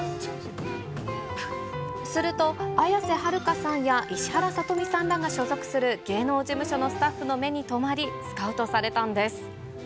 すると、綾瀬はるかさんや石原さとみさんらが所属する芸能事務所のスタッフの目に留まり、スカウトされたんです。